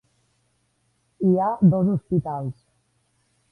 Hi ha dos hospitals.